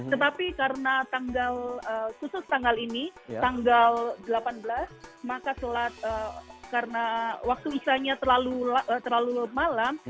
tetapi karena tanggal khusus tanggal ini tanggal delapan belas maka sholat karena waktu isanya terlalu malam